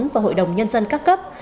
và hội đồng nhân dân các cấp